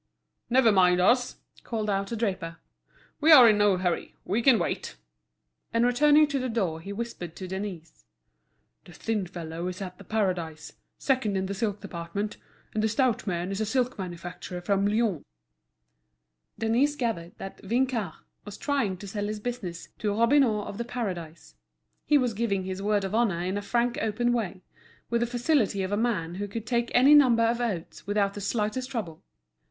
"Never mind us," called out the draper; "we are in no hurry; we can wait." And returning to the door he whispered to Denise: "The thin fellow is at The Paradise, second in the silk department, and the stout man is a silk manufacturer from Lyons." Denise gathered that Vinçard was trying to sell his business to Robineau of The Paradise. He was giving his word of honour in a frank open way, with the facility of a man who could take any number of oaths without the slightest trouble.